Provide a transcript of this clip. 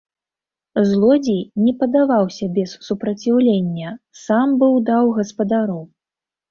Злодзей не падаваўся без супраціўлення, сам быў даў гаспадару.